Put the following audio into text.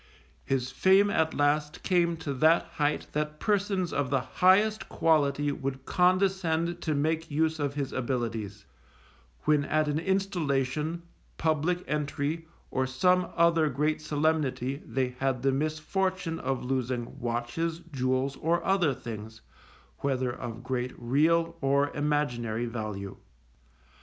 His fame at last came to that height that persons of the highest quality would condescend to make use of his abilities, when at an installation, public entry, or some other great solemnity they had the misfortune of losing watches, jewels, or other things, whether of great real or imaginary value.